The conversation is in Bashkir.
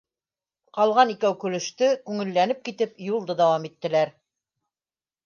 Ҡалған икәү көлөштө, күңелләнеп китеп, юлды дауам иттеләр